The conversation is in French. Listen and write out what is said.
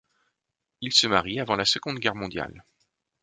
Il se marie avant la Seconde Guerre mondiale.